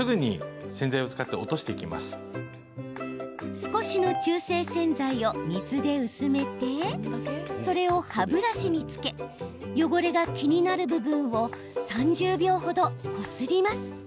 少しの中性洗剤を水で薄めてそれを歯ブラシに付け汚れが気になる部分を３０秒ほどこすります。